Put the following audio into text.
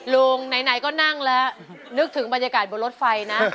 ลุงไหนก็นั่งแล้วนึกถึงบรรยากาศบนรถไฟนะ